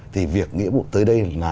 thì việc nghĩa vụ tới đây là